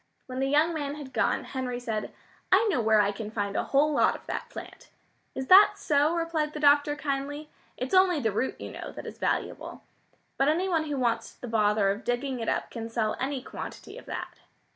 When the young man had gone, Henry said, "I know where I can find a whole lot of that plant." "Is that so?" replied the doctor kindly. "It's only the root, you know, that is valuable. But any one who wants the bother of digging it up can sell any quantity of that."